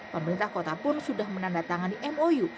pemerintah kota pun sudah menandatangani mou